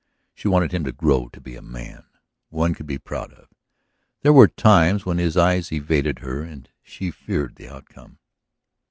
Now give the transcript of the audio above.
She wanted him to grow to be a man one could be proud of; there were times when his eyes evaded her and she feared the outcome.